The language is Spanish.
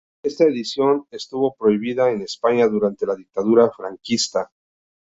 Esta edición estuvo prohibida en España durante la dictadura franquista.